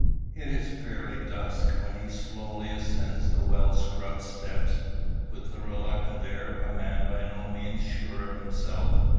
It is fairly dusk when he slowly ascends the well scrubbed steps, with the reluctant air of a man by no means sure of himself.